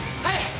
はい！